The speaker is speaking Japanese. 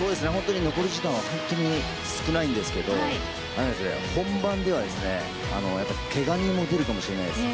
残り時間は本当に少ないんですけども本番ではけが人も出るかもしれないです。